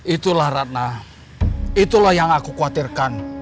itulah ratna itulah yang aku khawatirkan